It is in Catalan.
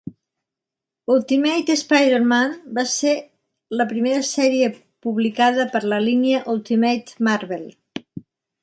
"Ultimate Spider-Man" va ses la primera sèrie publicada per la línia Ultimate Marvel.